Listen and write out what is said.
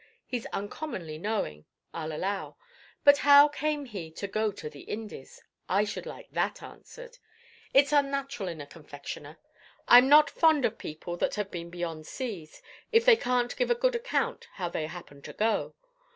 He's uncommonly knowing, I'll allow; but how came he to go to the Indies? I should like that answered. It's unnatural in a confectioner. I'm not fond of people that have been beyond seas, if they can't give a good account how they happened to go.